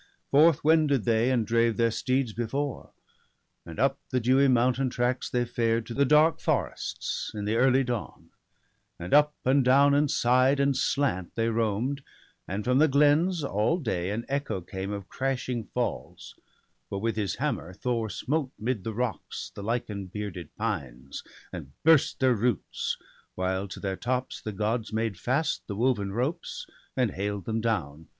Forth wended they, and drave their steeds before; And up the dewy mountain tracks they fared To the dark forests, in the early dawn; And up and down, and side and slant they roam'd. And from the glens all day an echo came Of crashing falls; for with his hammer Thor Smote 'mid the rocks the lichen bearded pines And burst their roots, while to their tops the Gods Made fast the woven ropes, and haled them down.